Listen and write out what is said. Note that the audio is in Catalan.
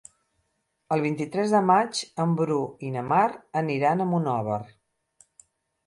El vint-i-tres de maig en Bru i na Mar aniran a Monòver.